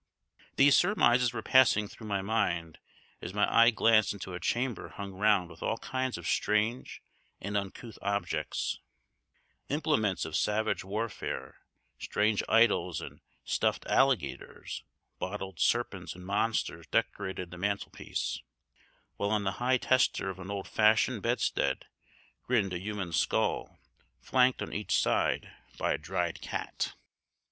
These surmises were passing through my mind as my eye glanced into a chamber hung round with all kinds of strange and uncouth objects implements of savage warfare, strange idols and stuffed alligators; bottled serpents and monsters decorated the mantelpiece; while on the high tester of an old fashioned bedstead grinned a human skull, flanked on each side by a dried cat.